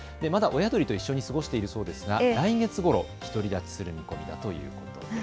親鳥と一緒に過ごしているそうですが来月ごろ独り立ちする見込みだということです。